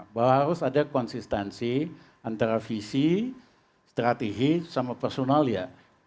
bahwa harus ada konsistensi antara visi strategi sama personal ya